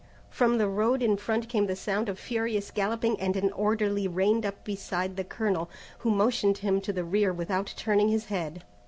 From the road in front came the sound of furious galloping and an orderly reined up beside the colonel, who motioned him to the rear without turning his head.